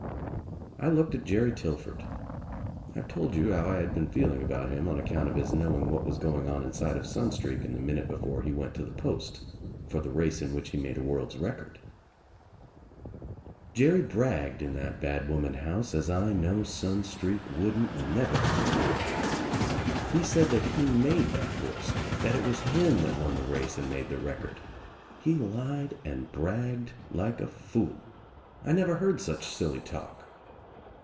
I looked at Jerry Tillford. I've told you how I had been feeling about him on account of his knowing what was going on inside of Sunstreak in the minute before he went to the post for the race in which he made a world's record. Jerry bragged in that bad woman house as I know Sunstreak wouldn't never have bragged. He said that he made that horse, that It was him that won the race and made the record. He lied and bragged like a fool. I never heard such silly talk.